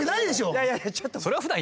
いやいやちょっと。